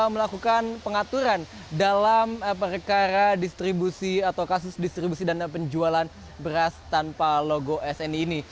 melakukan pengaturan dalam perkara distribusi atau kasus distribusi dana penjualan beras tanpa logo sni ini